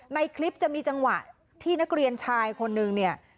ในคลิปจะมีจังหวะที่นักเรียนชายคนนึงเนี่ย